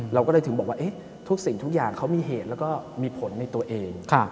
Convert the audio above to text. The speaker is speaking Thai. เราก็ได้บอกว่าทุกสิ่งทุกอย่างมีเหตุและผลในตัวเอง